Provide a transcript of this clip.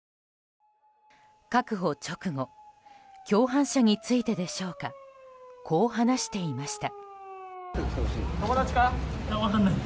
確保直後共犯者についてでしょうかこう話していました。